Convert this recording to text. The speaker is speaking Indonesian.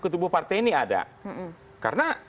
ke tubuh partai ini ada karena